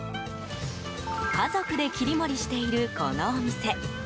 家族で切り盛りしているこのお店。